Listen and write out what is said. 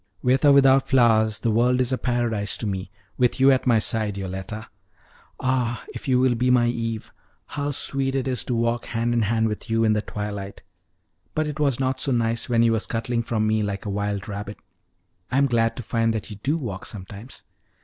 "With or without flowers, the world is a paradise to me, with you at my side, Yoletta. Ah, if you will be my Eve! How sweet it is to walk hand in hand with you in the twilight; but it was not so nice when you were scuttling from me like a wild rabbit. I'm glad to find that you do walk sometimes."